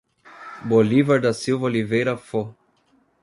Bolivar da Silva Oliveira Fo